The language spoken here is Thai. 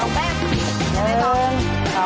เอาแป้ง๑๒๓